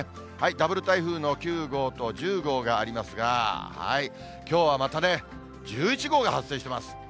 ダブル台風の９号と１０号がありますが、きょうはまたね、１１号が発生してます。